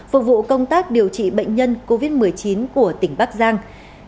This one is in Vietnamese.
phục vụ công tác điều trị bệnh nhân covid một mươi chín của tỉnh bắc giang